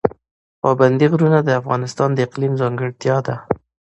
پابندی غرونه د افغانستان د اقلیم ځانګړتیا ده.